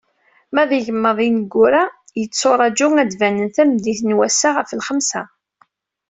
Ma d igemmaḍ ineggura, yetturaǧu ad d-banen tameddit n wass-a ɣef lxemsa.